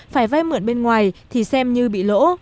phải vay mượn bên ngoài thì xem như bị lỗ